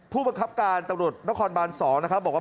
ผู้บังคับการตำรวจนครบาน๒นะครับบอกว่า